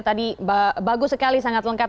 tadi bagus sekali sangat lengkap